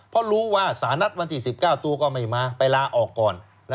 เพราะรู้ว่าสารนัดวันที่๑๙ตัวก็ไม่มาไปลาออกก่อน